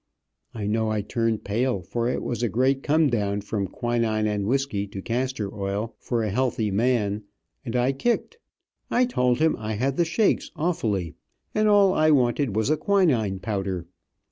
I know I turned pale, for it was a great come down from quinine and whisky to castor oil, for a healthy man, and I kicked. I told him I had the shakes awfully, and all I wanted was a quinine powder.